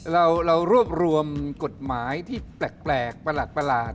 เรารวบรวมกฎหมายที่แปลกประหลาด